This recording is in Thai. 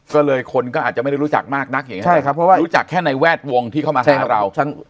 ก็เลยคนก็อาจจะไม่ได้รู้จักมากนักอย่างนี้รู้จักแค่ในแวดวงที่เข้ามาทางเรา